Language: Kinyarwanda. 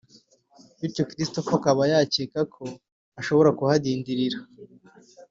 bityo Christopher akaba yacyeka ko ashobora kuhadindirira